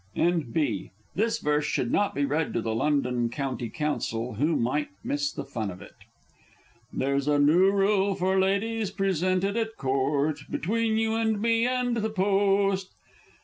_) (N.B. This verse should not be read to the L. C. C. who might miss the fun of it.) There's a new rule for ladies presented at Court, Between you and me and the Post!